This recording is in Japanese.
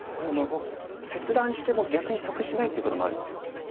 切断しても逆に得しないということもあるんです。